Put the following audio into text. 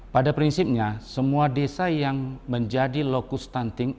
pada prinsipnya semua desa yang menjadi lokus stunting